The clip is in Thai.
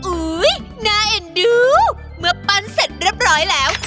น่าเอ็นดูเมื่อปั้นเสร็จเรียบร้อยแล้ว